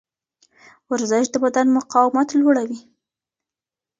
ورزش د بدن مقاومت لوړوي.